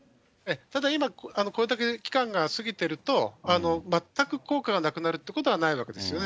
ただ、今これだけ期間が過ぎてると、全く効果がなくなるということはないわけですよね。